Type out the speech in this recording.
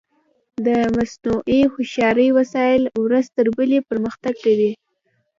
د مصنوعي هوښیارۍ وسایل ورځ تر بلې پرمختګ کوي.